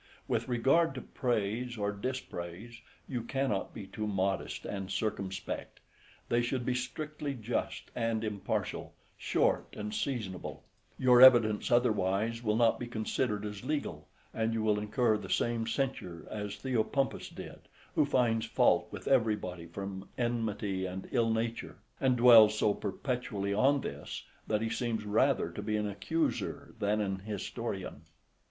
With regard to praise, or dispraise, you cannot be too modest and circumspect; they should be strictly just and impartial, short and seasonable: your evidence otherwise will not be considered as legal, and you will incur the same censure as Theopompus did, who finds fault with everybody from enmity and ill nature; and dwells so perpetually on this, that he seems rather to be an accuser than an historian.